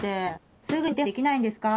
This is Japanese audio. すぐに手配できないんですか？